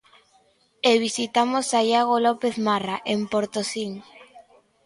E visitamos a Iago López Marra en Portosín.